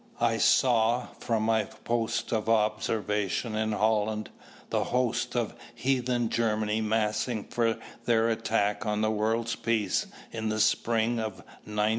I saw, from my post of observation in Holland, the hosts of heathen Germany massing for their attack on the world's peace in the spring of 1914.